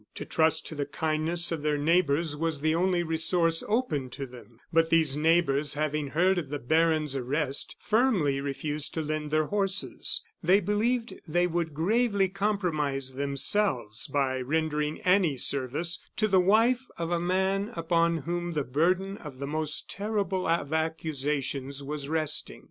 To trust to the kindness of their neighbors was the only resource open to them. But these neighbors having heard of the baron's arrest, firmly refused to lend their horses. They believed they would gravely compromise themselves by rendering any service to the wife of a man upon whom the burden of the most terrible of accusations was resting.